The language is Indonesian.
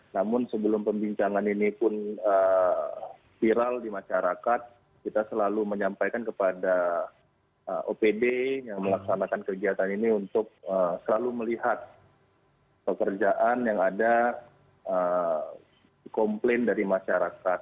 namun sebelum pembincangan ini pun viral di masyarakat kita selalu menyampaikan kepada opd yang melaksanakan kegiatan ini untuk selalu melihat pekerjaan yang ada di komplain dari masyarakat